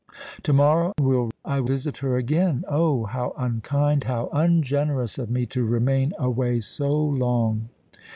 To morrow will I visit her again:—Oh! how unkind—how ungenerous of me to remain away so long!"